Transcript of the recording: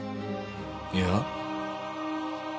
いや。